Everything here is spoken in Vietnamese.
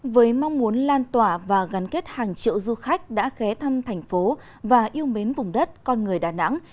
với mong muốn lan tỏa và gắn kết hàng triệu du khách đã ghé thăm thành phố và yêu mến vùng đất con người đà nẵng